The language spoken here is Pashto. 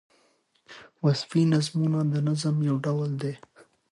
وصفي نظمونه د نظم یو ډول دﺉ.